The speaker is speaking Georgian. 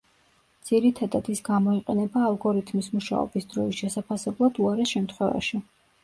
ძირითადად ის გამოიყენება ალგორითმის მუშაობის დროის შესაფასებლად უარეს შემთხვევაში.